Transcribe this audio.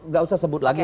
gak usah sebut lagi